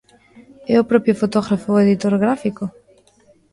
É o propio fotógrafo o editor gráfico?